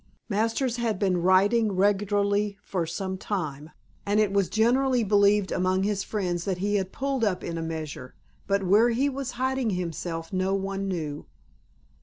Masters had been writing regularly for some time and it was generally believed among his friends that he had pulled up in a measure, but where he was hiding himself no one knew.